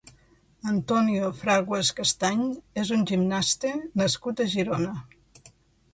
Antonio Fraguas Castany és un gimnasta nascut a Girona.